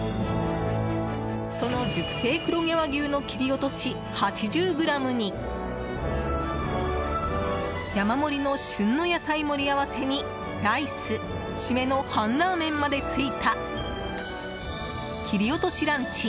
その熟成黒毛和牛の切り落とし８０ｇに山盛りの旬の野菜盛り合わせにライス締めの半ラーメンまでついた切り落としランチ。